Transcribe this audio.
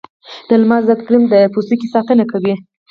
د لمر ضد کریم د پوستکي ساتنه کوي